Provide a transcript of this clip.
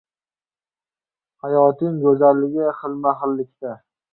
• Hayotning go‘zalligi ― xilma-xillikda.